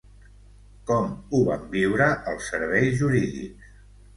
Com ho van viure els serveis jurídics?